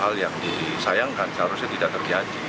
hal yang disayangkan seharusnya tidak terjadi